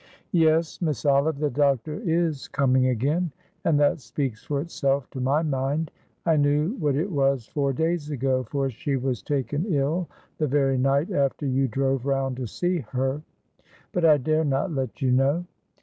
"Yes, Miss Olive, the doctor is coming again, and that speaks for itself, to my mind. I knew what it was four days ago, for she was taken ill the very night after you drove round to see her, but I dare not let you know.